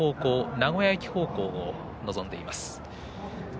名古屋駅方向を望んでいます。